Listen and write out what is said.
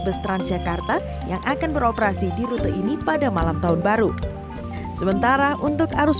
dua puluh empat bestrans jakarta yang akan beroperasi di rute ini pada malam tahun baru sementara untuk arus